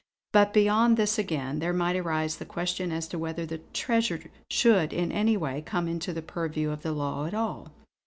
But beyond this again, there might arise the question as to whether the treasure should in any way come into the purview of the law at all.